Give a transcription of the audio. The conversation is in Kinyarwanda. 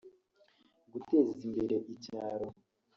guteza imbere icyaro